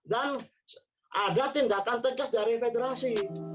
dan ada tindakan tegas dari federasi